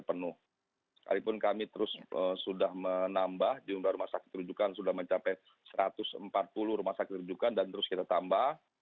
sekalipun kami terus sudah menambah jumlah rumah sakit rujukan sudah mencapai satu ratus empat puluh rumah sakit rujukan dan terus kita tambah